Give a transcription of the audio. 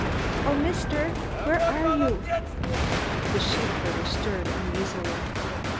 "Oh, Mister, where are you?" The sheepherder stirred uneasily.